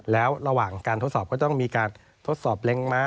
แล้วระหว่างการทดสอบก็ต้องมีการทดสอบเล็งม้า